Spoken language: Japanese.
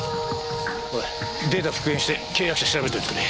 データ復元して契約者調べといてくれ。